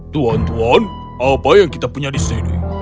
tuan tuan apa yang kita punya di sini